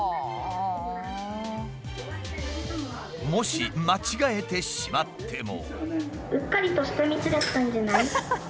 もし間違えてしまっても。